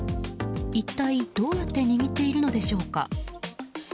一体どうやって握っているのでしょうか。